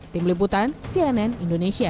tim liputan cnn indonesia